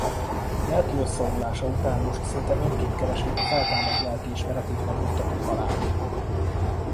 Lelki összeomlása után most szinte önként keresi a feltámadt lelkiismeretét megnyugtató halált.